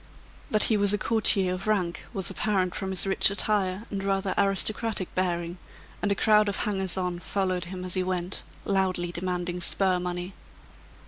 That he was a courtier of rank, was apparent from his rich attire and rather aristocratic bearing and a crowd of hangers on followed him as he went, loudly demanding spur money.